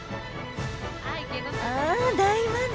あ大満足！